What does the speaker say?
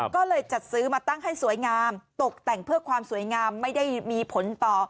ก็เลยจัดซื้อมาตั้งให้สวยงามตกแต่งเพื่อความสวยงามไม่ได้มีผลต่อ